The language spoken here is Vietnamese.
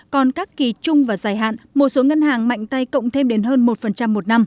còn các kỳ chung và dài hạn một số ngân hàng mạnh tay cộng thêm đến hơn một một năm